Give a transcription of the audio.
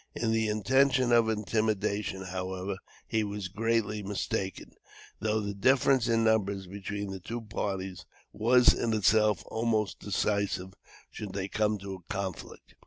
In the intention of intimidation, however, he was greatly mistaken, though the difference in numbers between the two parties was in itself almost decisive, should they come to a conflict.